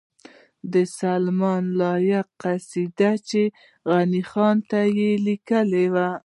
د سلیمان لایق قصیده چی غنی خان ته یی لیکلې وه